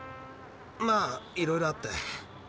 まあいろいろあって。